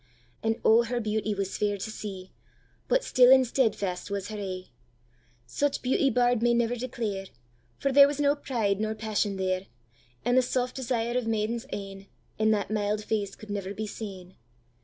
And O, her beauty was fair to see, But still and steadfast was her e'e! Such beauty bard may never declare, For there was no pride nor passion there; And the soft desire of maiden's e'enIn that mild face could never be seen.